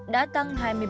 đã tăng đến một mươi